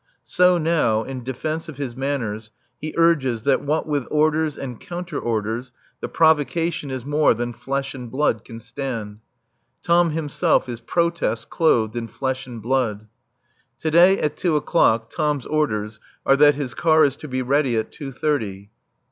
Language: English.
So now, in defence of his manners, he urges that what with orders and counter orders, the provocation is more than flesh and blood can stand. Tom himself is protest clothed in flesh and blood. To day at two o'clock Tom's orders are that his car is to be ready at two thirty.